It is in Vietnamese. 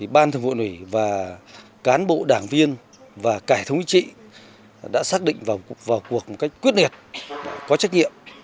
ban thường vụ ủy và cán bộ đảng viên và cả thống chính trị đã xác định vào cuộc một cách quyết liệt có trách nhiệm